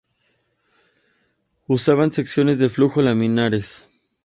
Usaban secciones de flujo laminares.